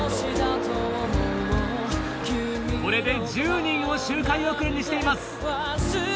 これで１０人を周回遅れにしています。